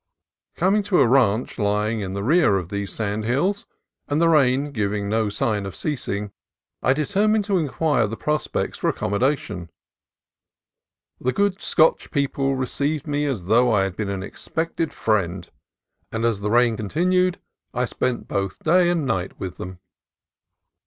Coming to a ranch lying in the rear of these sand hills, and the rain giving no sign of ceasing, I deter mined to inquire the prospects for accommodation. The good Scotch people received me as though I had been an expected friend ; and as the rain continued, I spent both day and night with them.